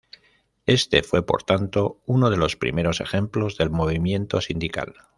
Este fue por tanto uno de los primeros ejemplos del Movimiento sindical.